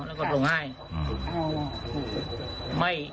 แล้วก็โทรงไห้